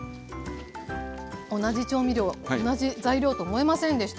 同じ調味料同じ材料と思えませんでした。